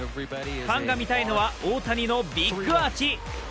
ファンが見たいのは大谷のビッグアーチ。